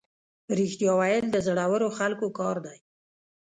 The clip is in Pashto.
رښتیا ویل د زړورو خلکو کار دی.